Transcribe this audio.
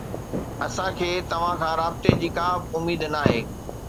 اسان کي توهان کان رابطي جي ڪا اميد ناهي